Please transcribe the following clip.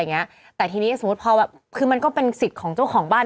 อย่างเงี้ยแต่ทีนี้สมมุติพอแบบคือมันก็เป็นสิทธิ์ของเจ้าของบ้าน